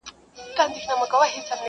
په دامنځ کي پیل هم لرو بر ځغستله!.